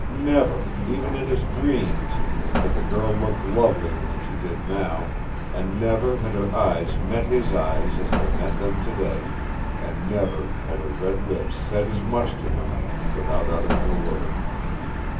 Never, even in his dreams, had the girl looked lovelier than she did now, and never had her eyes met his eyes as they met them today, and never had her red lips said as much to him, without uttering a word.